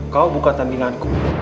kau bukan tandinganku